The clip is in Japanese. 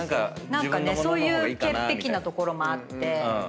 何かねそういう潔癖なところもあって。